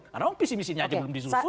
karena pc misinya aja belum disusun